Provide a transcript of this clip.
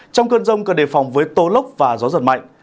trong cơn giông cần đề phòng với tố lốc và gió giật mạnh